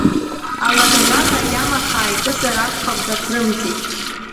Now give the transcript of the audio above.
Алага-ҩага агьама хаа икызар акухап, дацрымҵит.